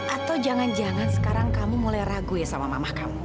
atau jangan jangan sekarang kamu mulai ragu ya sama mama kamu